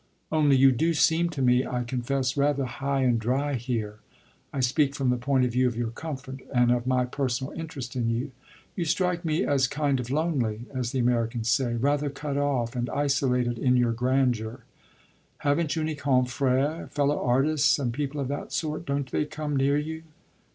Only you do seem to me, I confess, rather high and dry here I speak from the point of view of your comfort and of my personal interest in you. You strike me as kind of lonely, as the Americans say rather cut off and isolated in your grandeur. Haven't you any confrères fellow artists and people of that sort? Don't they come near you?"